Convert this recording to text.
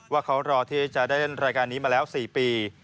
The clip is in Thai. ว่าเขารอที่จะได้เล่นรายการนี้มาแล้ว๔ปี